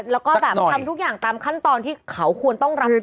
แล้วก็แบบทำทุกอย่างตามขั้นตอนที่เขาควรต้องรับผิดชอบ